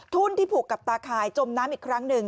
ทุ่นที่ผูกกับตาข่ายจมน้ำอีกครั้งหนึ่ง